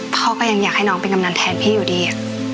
พ่อก็ยังอยากให้น้องเป็นกำนันแทนพี่อยู่ดี